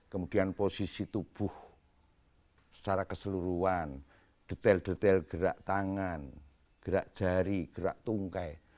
kemudian posisi tubuh secara keseluruhan detail detail gerak tangan gerak jari gerak tungkai